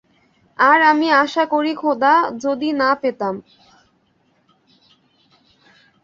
আর আমি আশা করি খোদা, যদি না পেতাম।